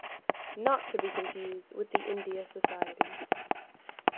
Not to be confused with the India Society.